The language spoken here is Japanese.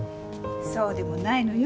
そうでもないのよ。